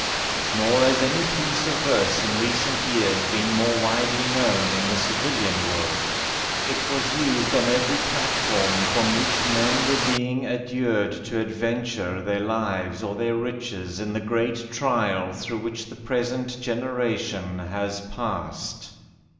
Nor has any piece of verse in recent years been more widely known in the civilian world. It was used on every platform from which men were being adjured to adventure their lives or their riches in the great trial through which the present generation has passed.